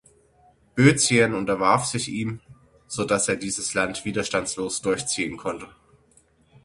Böotien unterwarf sich ihm, so dass er dieses Land widerstandslos durchziehen konnte.